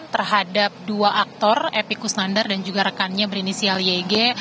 terhadap dua aktor epi kusnandar dan juga rekannya berinisial yg